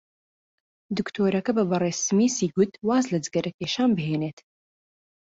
دکتۆرەکە بە بەڕێز سمیسی گوت واز لە جگەرەکێشان بهێنێت.